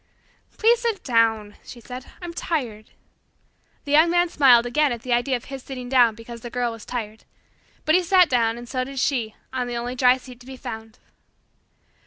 "Please sit down," she said plaintively. "I'm tired." The Young Man smiled again at the idea of his sitting down because the Girl was tired. But he sat down, and so did she, on the only dry seat to be found.